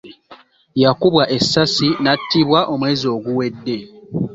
Yakubwa essasi n'attibwa omwezi oguwedde.